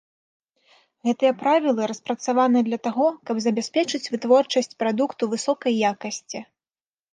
Гэтыя правілы распрацаваны для таго, каб забяспечыць вытворчасць прадукту высокай якасці.